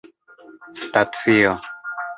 stacio